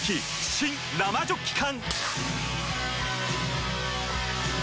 新・生ジョッキ缶！